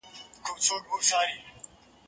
زه کولای سم اوبه پاک کړم!.